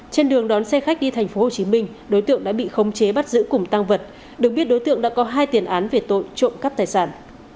trên đường đón xe khách đi thành phố hồ chí minh đối tượng đã bị khống chế bắt giữ cùng tăng vật được biết đối tượng đã có hai tiền án về tội trộm cắp tài sản